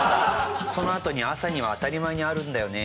そのあとに「朝には当たり前にあるんだよね」